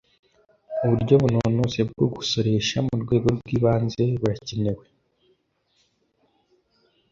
uburyo bunononsoye bwo gusoresha mu rwego rw'ibanze burakenewe,